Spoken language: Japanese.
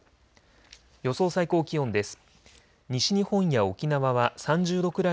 予想最高気温です。